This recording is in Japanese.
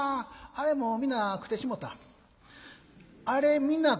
「『あれ皆食てしもた』？